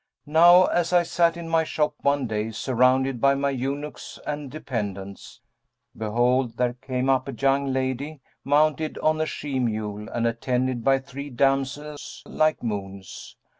Now as I sat in my shop one day surrounded by my eunuchs and dependents, behold, there came up a young lady, mounted on a she mule and attended by three damsels like moons.